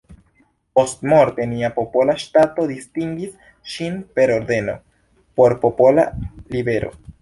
Postmorte nia popola ŝtato distingis ŝin per ordeno „Por popola libero".